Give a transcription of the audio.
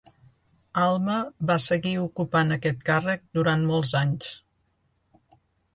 Alma va seguir ocupant aquest càrrec durant molts anys.